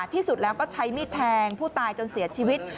ที่สุดแล้วก็ใช้มีดแทงผู้ตายจนเสียชีวิต